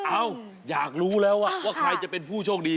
อยากรู้แล้วว่าใครจะเป็นผู้โชคดี